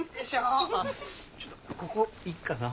ちょっとここいいかな？